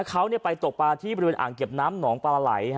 เขาไปตกปลาที่บริเวณอ่างเก็บน้ำหนองปลาไหล